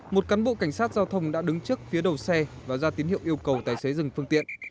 một cán bộ cảnh sát giao thông đã đứng trước phía đầu xe và ra tín hiệu yêu cầu tài xế dừng phương tiện